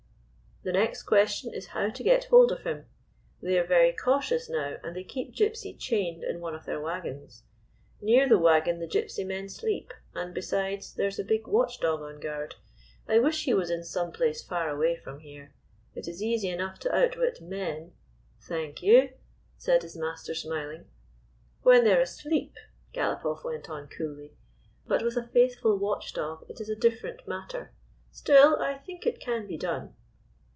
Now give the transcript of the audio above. " The next question is how to get hold of him. They are very cautious now, and they keep Gypsy chained in one of their wagons. Near the wagon the Gypsy men sleep, and, besides, there is a big watchdog on guard. I wish he 13 Gypsy. 201 GYPSY, THE TALKING DOG was in some place far away from here. It is easy enough to outwit men —"" Thank you," said his master, smiling. " When they 're asleep," Galopoff went on very coolly. " But with a faithful watchdog it is a different matter. Still, I think it can be done."